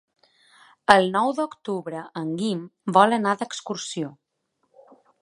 El nou d'octubre en Guim vol anar d'excursió.